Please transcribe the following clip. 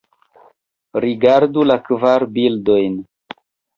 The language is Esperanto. Rigardu la kvar bildojn.